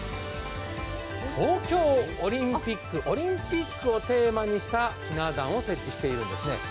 東京オリンピック、オリンピックをテーマにしたひな壇を設置しているんですね。